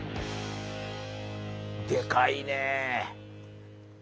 でかいねえ。